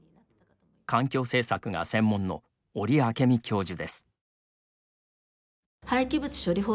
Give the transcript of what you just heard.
環境政策が専門の織朱實教授です。